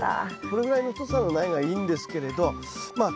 これぐらいの太さの苗がいいんですけれどまあ